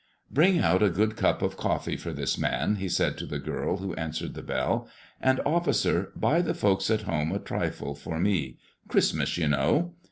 "Bring out a good cup of coffee for this man," he said to the girl who answered the bell. "And, officer, buy the folks at home a trifle for me; Christmas, you know."